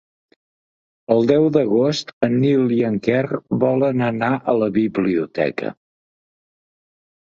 El deu d'agost en Nil i en Quer volen anar a la biblioteca.